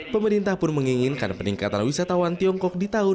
pemerintah pun menginginkan peningkatan wisatawan tiongkok di tahun dua ribu dua puluh